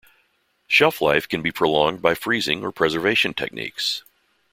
Shelf life can be prolonged by freezing or preservation techniques.